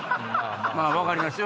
まぁ分かりますよ